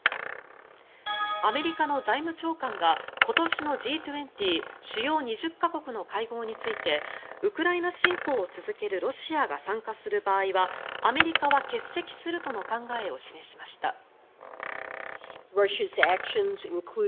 アメリカの財務長官が今年のＧ２０・主要２０か国の会合についてウクライナ侵攻を続けるロシアが参加する場合はアメリカは欠席するとの考えを示しました。